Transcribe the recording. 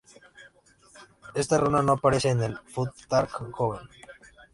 Esta runa no aparece en el futhark joven.